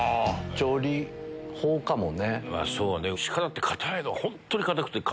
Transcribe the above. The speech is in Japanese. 調理法かもね。